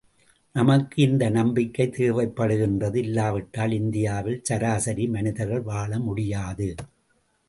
நமக்கு இந்த நம்பிக்கை தேவைப்படுகின்றது, இல்லாவிட்டால் இந்தியாவில் சராசரி மனிதர்கள் வாழ முடியாது.